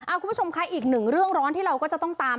คุณผู้ชมคะอีกหนึ่งเรื่องร้อนที่เราก็จะต้องตาม